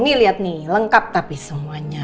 nih liat nih lengkap tapi semuanya